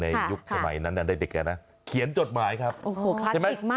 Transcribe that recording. ในยุคสมัยนั้นอันเด็กกันนะเขียนจดหมายครับโอ้โหคลาสติกมาก